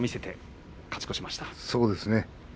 そうですね。